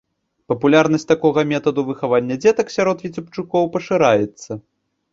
Папулярнасць такога метаду выхавання дзетак сярод віцебчукоў пашыраецца.